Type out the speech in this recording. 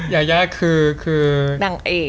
ยายาคือ